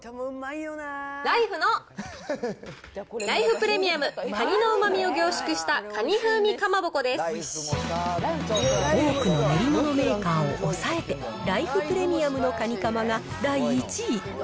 ライフのライフプレミアムカニの旨味を多くの練り物メーカーを抑えて、ライフプレミアムのカニかまが第１位。